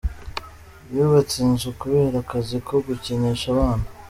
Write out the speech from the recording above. Yubatse inzu kubera akazi ko gukinisha abana.